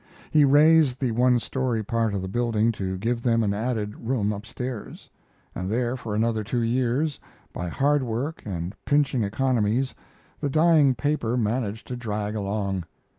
He raised the one story part of the building to give them an added room up stairs; and there for another two years, by hard work and pinching economies, the dying paper managed to drag along.